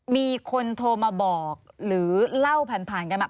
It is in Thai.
มีคนโทรมาบอกหรือเล่าผ่านกันมา